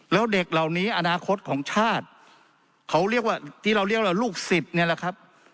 แล้วเด็กเหล่านี้อนาคตของชาติเขาเรียกว่าที่เราเรียกว่าลูกศิษย์เนี่ยแหละครับ